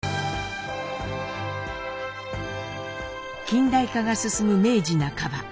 近代化が進む明治半ば。